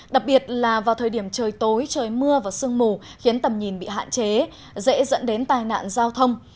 đặc biệt là vào thời điểm trời tối trời mưa và sương mù khiến tầm nhìn bị hạn chế dễ dẫn đến tai nạn giao thông